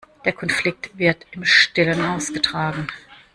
Der Konflikt wird im Stillen ausgetragen.